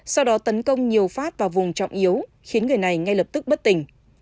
sau đó tấn công nhiều phát vào vùng trọng yếu khiến người này ngay lập tức bất tình